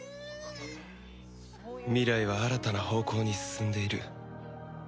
未来は新たな方向に進んでいる